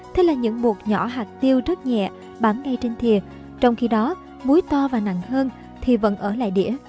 thế là những bột nhỏ hạt tiêu rất nhẹ bán ngay trên thiều trong khi đó muối to và nặng hơn thì vẫn ở lại đĩa